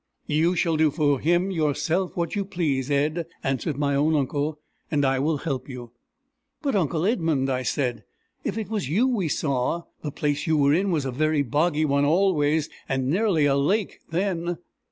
"You shall do for him yourself what you please, Ed," answered my own uncle, "and I will help you." "But, uncle Edmund," I said, "if it was you we saw, the place you were in was a very boggy one always, and nearly a lake then!"